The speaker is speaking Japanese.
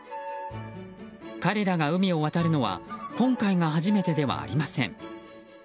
彼らが海を渡るのは今回が初めてではありません。